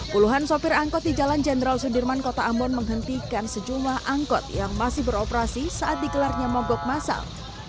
puluhan sopir angkot di jalan jenderal sudirman kota ambon menghentikan sejumlah angkot yang masih beroperasi saat dikelarnya mogok masal